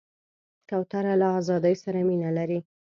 کوتره له آزادۍ سره مینه لري.